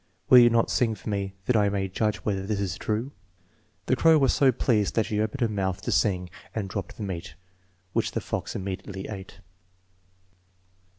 Will you not sing for me, so that I may judge whether this is true?" The crow was so pleased that she opened her mouth to sing and dropped tfie meat, which the fox immediately ate.